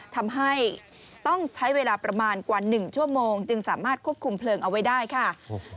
ทำให้ต้องใช้เวลาประมาณกว่า๑ชั่วโมงจึงสามารถควบคุมเพลิงเอาไว้ได้ค่ะ